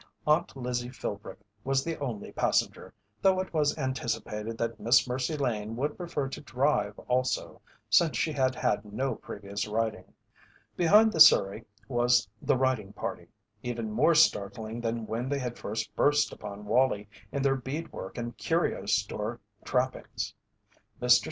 Aunt Lizzie Philbrick was the only passenger, though it was anticipated that Miss Mercy Lane would prefer to drive also, since she had had no previous riding. Behind the surrey was the riding party, even more startling than when they had first burst upon Wallie in their bead work and curio store trappings. Mr.